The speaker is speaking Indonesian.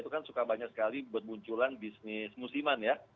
itu kan suka banyak sekali buat munculan bisnis musiman ya